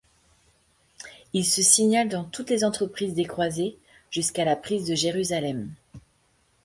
Il se signale dans toutes les entreprises des croisés jusqu'à la prise de Jérusalem.